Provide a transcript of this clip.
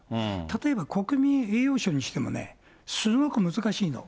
例えば国民栄誉賞にしてもね、すごく難しいの。